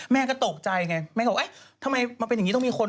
แม่ก็ตกใจไงแม่ก็บอกทำไมมันเป็นอย่างนี้